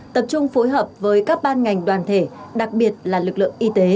tập trung phối hợp với các ban ngành đoàn thể đặc biệt là lực lượng y tế